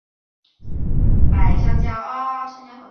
安倍晴明也是长年以来日式动漫游戏热门的借鉴人物。